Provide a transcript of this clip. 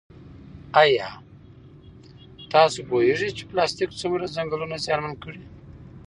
ایا تاسو پوهېږئ چې پلاستیک څومره ځنګلونه زیانمن کړي؟